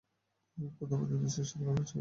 তন্মধ্যে, ইনিংসে সাতবার পাঁচ-উইকেট পেয়েছিলেন।